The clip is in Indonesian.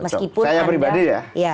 saya pribadi ya